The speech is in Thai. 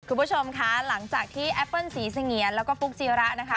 คุณผู้ชมคะหลังจากที่แอปเปิ้ลสีเสงียนแล้วก็ฟุ๊กจีระนะคะ